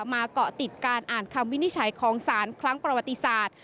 เกาะติดการอ่านคำวินิจฉัยของสารครั้งประวัติศาสตร์